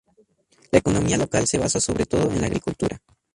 La economía local se basa sobre todo en la agricultura.